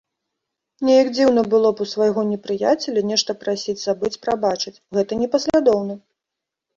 Неяк дзіўна было б у свайго непрыяцеля нешта прасіць забыць-прабачыць, гэта непаслядоўна!